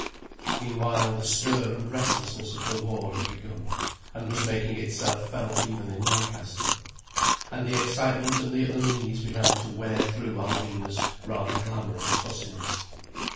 Meanwhile the stir and restlessness of the war had begun, and was making itself felt even in Lancaster. And the excitement and the unease began to wear through Alvina's rather glamorous fussiness.